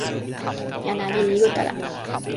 jan ale li utala.